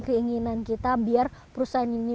keinginan kita biar perusahaan ini